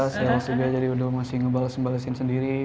saya juga jadi udah masih ngebales nbalesin sendiri